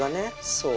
そう。